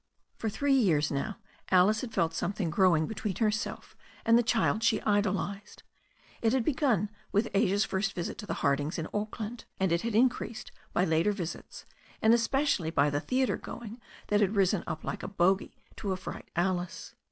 For three years now Alice had felt something growing be tween herself and the child she idolized. It had begun with Asia's first visit to the Hardings in Auckland, and it had been increased by later visits, and especially by the theatre going that had risen up like a bogy to affright Alice.